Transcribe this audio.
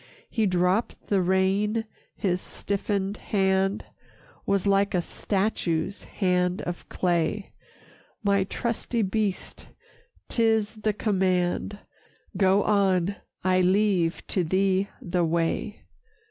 He dropped the rein, his stiffened hand Was like a statue's hand of clay; "My trusty beast, 'tis the command, Go on, I leave to thee the way.